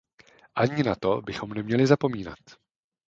Ani na to bychom neměli zapomínat.